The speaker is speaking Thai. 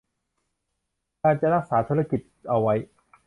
การจะรักษาธุรกิจเอาไว้